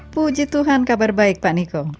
puji tuhan kabar baik pak niko